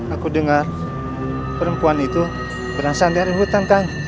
aku dengar perempuan itu berasal dari hutan kami